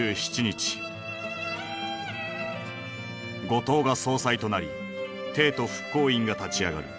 後藤が総裁となり帝都復興院が立ち上がる。